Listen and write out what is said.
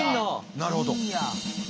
なるほど。